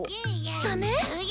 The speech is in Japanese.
サメ？